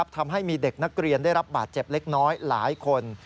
ทำให้มีเด็กนักเรียนได้รับบาดเจ็บเล็กน้อยหลายคน